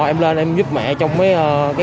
em lên em giúp mẹ trong mấy cái